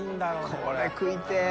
これ食いてぇ。